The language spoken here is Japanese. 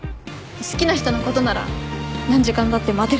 好きな人のことなら何時間だって待てるでしょ？